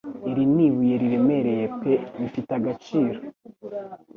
iri ni ibuye riremereye pe rifite agaciro